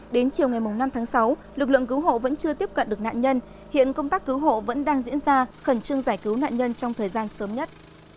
đến chiều ngày năm tháng sáu lực lượng cứu hộ vẫn chưa tiếp cận được nạn nhân hiện công tác cứu hộ vẫn đang diễn ra khẩn trương giải cứu nạn nhân trong thời gian sớm nhất